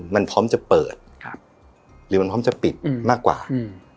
มันพร้อมจะเปิดครับหรือมันพร้อมจะปิดอืมมากกว่าอืม